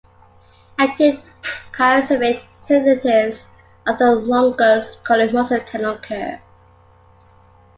Acute calcific tendinitis of the longus colli muscle can occur.